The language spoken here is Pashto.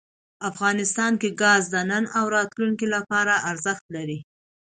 افغانستان کې ګاز د نن او راتلونکي لپاره ارزښت لري.